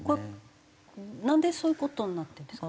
なんでそういう事になってるんですか？